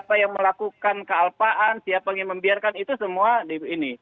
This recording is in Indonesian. siapa yang melakukan kealpaan siapa yang membiarkan itu semua di ini